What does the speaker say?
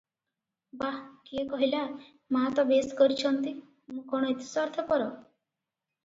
"ବାଃ କିଏ କହିଲା- ମାଆତ ବେଶ୍ କରିଚନ୍ତି- ମୁଁ କଣ ଏତେ ସ୍ୱାର୍ଥପର ।